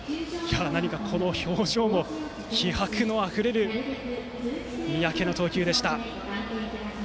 何か、この表情も気迫のあふれる三宅の投球でした。